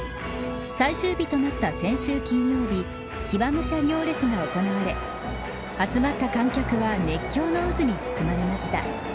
最終日となった先週金曜日騎馬武者行列が行われ集まった観客は熱狂の渦に包まれました。